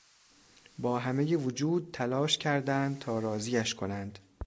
با همهی وجود تلاش کردند تا راضیش کنند.